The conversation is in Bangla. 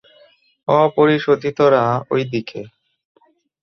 অ-পরিশোধিতরা ওই দিকে।